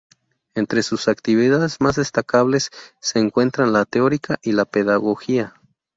Entre sus actividades más destacables se encuentran la teórica y la pedagogía.